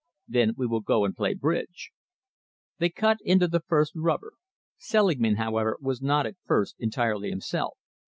"Then we will go and play bridge." They cut into the same rubber. Selingman, however, was not at first entirely himself.